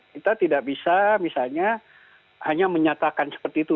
kita tidak bisa misalnya hanya menyatakan seperti itu